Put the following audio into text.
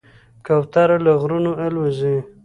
کوتره له غرونو الوزي.